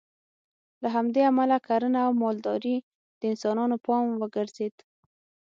له همدې امله کرنه او مالداري د انسانانو پام وګرځېد